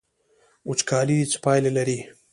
وچکالي څه پایلې لري؟